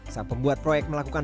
sang pembuat proyek melakukan